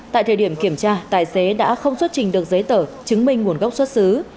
tại thời điểm kiểm tra tài xế đã không xuất trình được giấy tờ chứng minh nguồn gốc xuất xứ